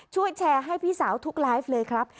ช่วยแชร์ให้พี่สาวทุกไลฟ์เลยครับ